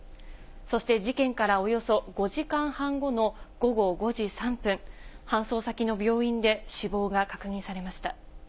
そして事件からおよそ５時間半後の午後５時３分、搬送先の病院で死亡が確認されました。